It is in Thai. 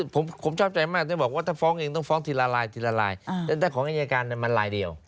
ผมชอบใจมากว่าที่ต้องฟ้องเองต้องฟ้องตีลาลายแต่ถ้าอย่างนี้เหมือนอาจารย์การมันลายเดียว